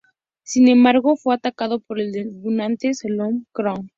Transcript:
Sin embargo, fue atacado por el debutante Solomon Crowe.